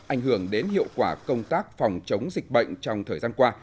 ảnh hưởng đến hiệu quả công tác phòng chống dịch bệnh trong thời gian qua